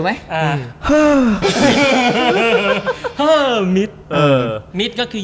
อเจมส์สำเร็จ